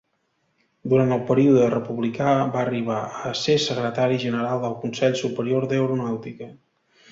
Durant el període republicà va arribar a ser secretari general del Consell Superior d'Aeronàutica.